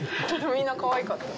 みんなかわいかった。